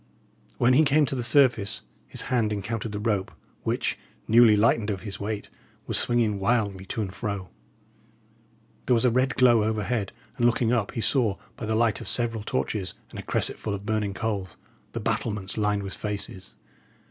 When he came to the surface his hand encountered the rope, which, newly lightened of his weight, was swinging wildly to and fro. There was a red glow overhead, and looking up, he saw, by the light of several torches and a cresset full of burning coals, the battlements lined with faces.